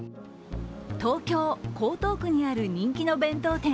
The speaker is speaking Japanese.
東京・江東区にある人気の弁当店